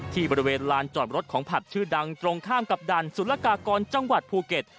ที่บริเวณลานจอดรถของผับชื่อดังตรงข้ามกับด่านสุรกากรจังหวัดภูเก็ต